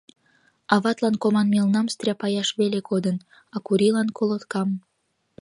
Аватлан команмелнам страпаяш веле кодын, а Курилан — колоткам.